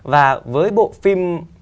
và với bộ phim